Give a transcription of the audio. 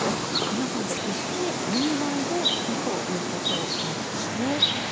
皆さんで一緒にお祝いをしたということなんですね。